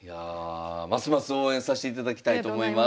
ますます応援さしていただきたいと思います。